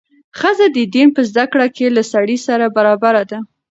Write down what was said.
ښځه د دین په زده کړه کې له سړي سره برابره ده.